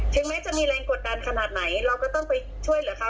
แม้จะมีแรงกดดันขนาดไหนเราก็ต้องไปช่วยเหลือเขา